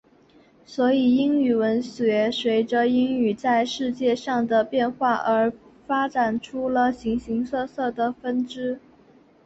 所以英语文学随着英语在世界上的变化而发展出了形形色色的分支。